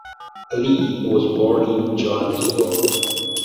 Lee was born in Johannesburg.